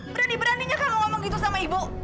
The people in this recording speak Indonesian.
berani beraninya kalau ngomong gitu sama ibu